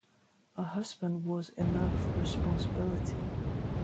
A husband was enough responsibility.